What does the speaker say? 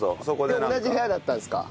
で同じ部屋だったんですか？